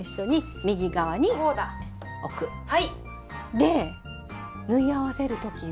で縫い合わせる時は。